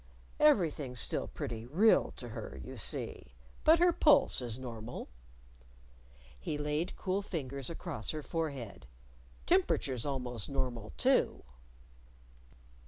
"Everything's still pretty real to her, you see. But her pulse is normal," He laid cool fingers across her forehead. "Temperature's almost normal too."